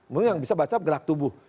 mungkin yang bisa baca gerak tubuh